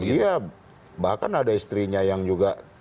iya bahkan ada istrinya yang juga